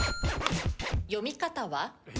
読み方は？